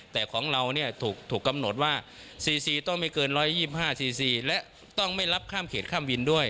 แต่ของเราเนี้ยถูกถูกกำหนดว่าสี่สี่ต้องไม่เกินร้อยยี่สิบห้าสี่สี่และต้องไม่รับข้ามเขตข้ามวินด้วย